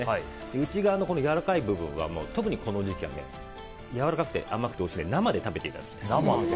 内側のやわらかい部分はやわらかくて甘くておいしいんで生で食べていただきたい。